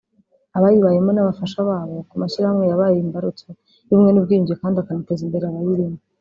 abayibayemo n’abafasha babo) ku mashyirahamwe yabaye imbarutso y’ubumwe n’ubwiyunge kandi akanateza imbere abayarimo